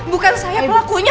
bukan saya pelakunya